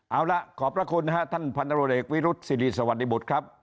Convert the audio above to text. เอาล่ะขอบพระคุณท่านพันธุ์โดยเหตุวิรุษสิรีสวัสดิบุตรครับ